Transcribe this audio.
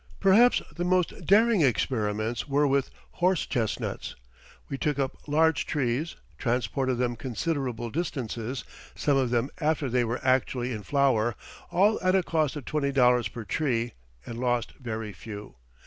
Perhaps the most daring experiments were with horse chestnuts. We took up large trees, transported them considerable distances, some of them after they were actually in flower, all at a cost of twenty dollars per tree, and lost very few.